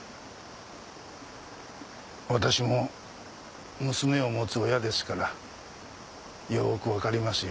私も娘を持つ親ですからよくわかりますよ。